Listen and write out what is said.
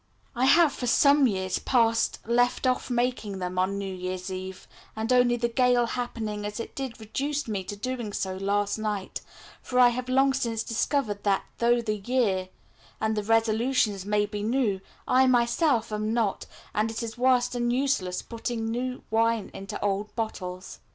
I have for some years past left off making them on New Year's Eve, and only the gale happening as it did reduced me to doing so last night; for I have long since discovered that, though the year and the resolutions may be new, I myself am not, and it is worse than useless putting new wine into old bottles.